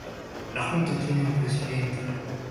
La Junta tiene un Presidente.